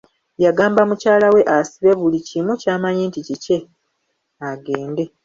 Yagamba mukyala we asibe buli kimu ky'amanyi nti kikye agende.